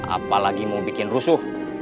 apalagi mau bikin rusuh